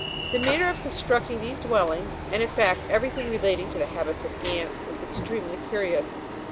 The manner of construct ing these dwellings, and in fact every thing relating to the habits of ants, is extremely curious.